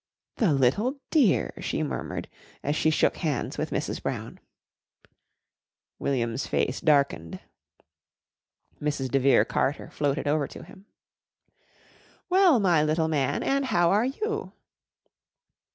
"The little dear!" she murmured as she shook hands with Mrs. Brown. William's face darkened. Mrs. de Vere Carter floated over to him. "Well, my little man, and how are you?"